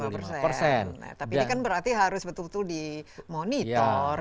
tapi ini kan berarti harus betul betul dimonitor